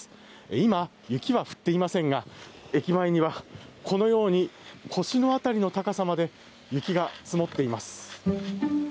今、雪は降っていませんが駅前にはこのように腰の辺りの高さまで雪が積もっています。